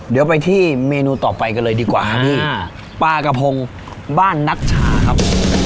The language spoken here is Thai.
เดี๋ยวไปที่เมนูต่อไปกันเลยดีกว่าครับพี่ปลากระพงบ้านนัชชาครับ